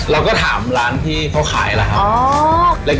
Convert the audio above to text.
เราก็ถามร้านที่เขาขายล่ะครับ